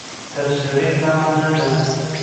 تر سړي کمه نه ده.